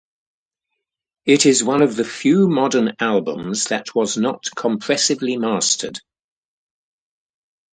It is one of the few modern albums that was not compressively mastered.